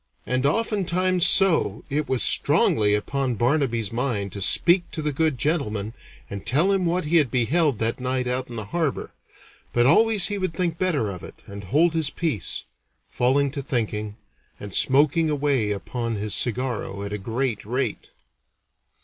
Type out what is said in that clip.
And oftentimes so it was strongly upon Barnaby's mind to speak to the good gentleman and tell him what he had beheld that night out in the harbor; but always he would think better of it and hold his peace, falling to thinking, and smoking away upon his cigarro at a great rate.